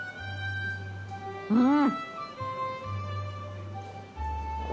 うん！